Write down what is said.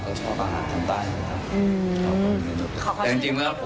แต่จริงแล้วผมเหมือน